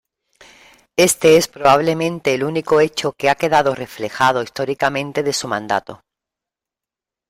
Este es probablemente el único hecho que ha quedado reflejado históricamente de su mandato.